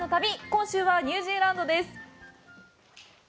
今週はニュージーランドです。